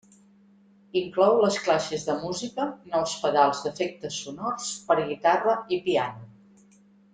Inclou les classes de música, nous pedals d'efectes sonors per a guitarra i piano.